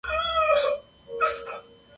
De madera muy dura.